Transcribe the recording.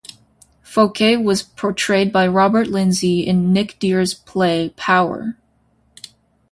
Fouquet was portrayed by Robert Lindsay in Nick Dear's play "Power".